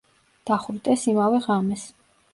დახვრიტეს იმავე ღამეს.